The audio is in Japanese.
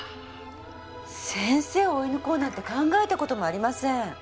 先生を追い抜こうなんて考えた事もありません。